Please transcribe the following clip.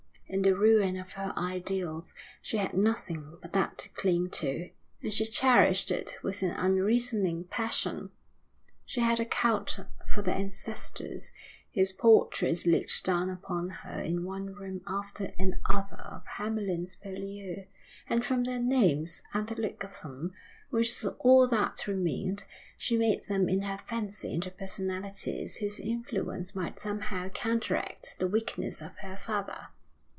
In the ruin of her ideals she had nothing but that to cling to, and she cherished it with an unreasoning passion. She had a cult for the ancestors whose portraits looked down upon her in one room after another of Hamlyn's Purlieu, and from their names and the look of them, which was all that remained, she made them in her fancy into personalities whose influence might somehow counteract the weakness of her father.